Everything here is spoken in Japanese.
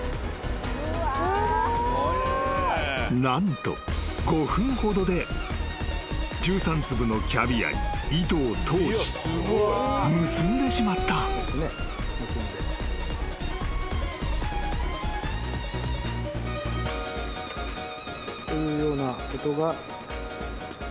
［何と５分ほどで１３粒のキャビアに糸を通し結んでしまった］というようなことができます。